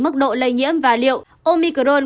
mức độ lây nhiễm và liệu omicron